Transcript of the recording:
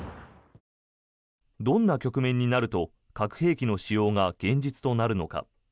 どんな局面になると核兵器の使用が現実となるのか。